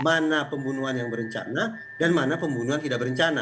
mana pembunuhan yang berencana dan mana pembunuhan tidak berencana